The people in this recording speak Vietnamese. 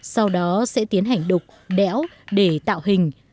sau đó sẽ tiến hành đục đẽo để tạo hình